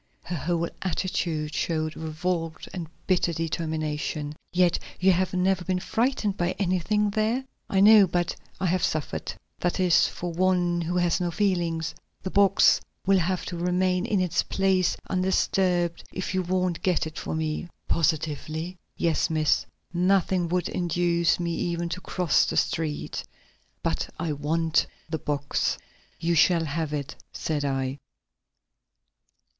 Her whole attitude showed revolt and bitter determination. "Yet you have never been frightened by anything there?" "I know; but I have suffered; that is, for one who has no feelings. The box will have to remain in its place undisturbed if you won't get it for me." "Positively?" "Yes, Miss; nothing would induce me even to cross the street. But I want the box." "You shall have it," said I.